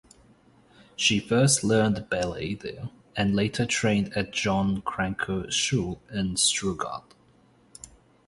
She first learned ballet there and later trained at John Cranko Schule in Stuttgart.